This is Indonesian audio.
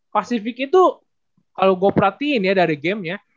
pacific itu kalo gue perhatiin ya dari gamenya